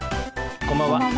こんばんは。